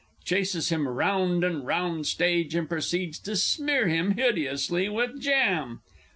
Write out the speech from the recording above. [_Chases him round and round stage, and proceeds to smear him hideously with jam.